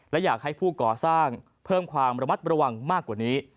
และอยากให้ผู้ก่อสร้างเพิ่มความระมัดระวังมากกว่านี้